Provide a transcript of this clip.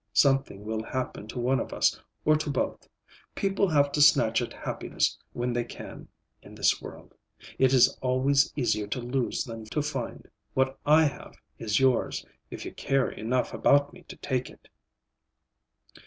Something will happen to one of us, or to both. People have to snatch at happiness when they can, in this world. It is always easier to lose than to find. What I have is yours, if you care enough about me to take it."